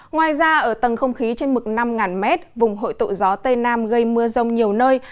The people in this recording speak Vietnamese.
ngoài ra ở tầng không khí trên mực năm m vùng hội tụ gió tây nam gây mưa rông nhiều nơi